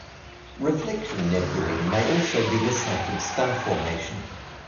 Reflection nebulae may also be the site of star formation.